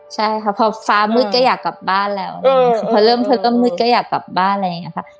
ใช่ค่ะพอฟ้ามืดก็อยากกลับบ้านแล้วพอเริ่มเธอก็มืดก็อยากกลับบ้านอะไรอย่างนี้ค่ะ